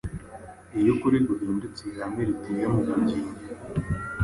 Iyo ukuri guhindutse ihame rituye mu bugingo,